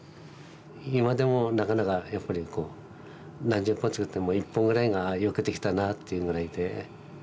今でもなかなかやっぱりこう何十本作っても１本ぐらいがよく出来たなっていうぐらいで。